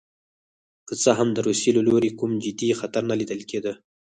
که څه هم د روسیې له لوري کوم جدي خطر نه لیدل کېده.